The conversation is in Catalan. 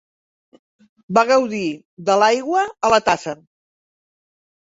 Va gaudir de l'aigua a la tassa.